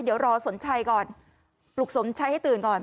เดี๋ยวรอสนชัยก่อนปลุกสมชัยให้ตื่นก่อน